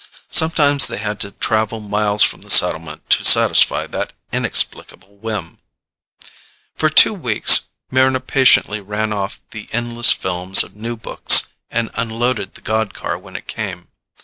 Sometimes they had to travel miles from the settlement to satisfy that inexplicable whim. For two weeks Mryna patiently ran off the endless films of new books and unloaded the god car when it came.